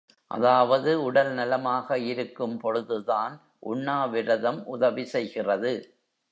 அதாவது உடல் நலமாக இருக்கும் பொழுதுதான், உண்ணாத விரதம் உதவி செய்கிறது.